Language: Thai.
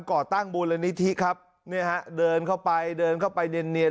ก่อตั้งมูลนิธิครับเนี่ยฮะเดินเข้าไปเดินเข้าไปเนียน